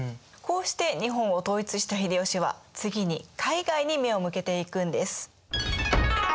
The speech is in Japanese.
こうして日本を統一した秀吉は次に海外に目を向けていくんです。